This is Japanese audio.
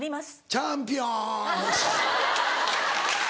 チャンピオン。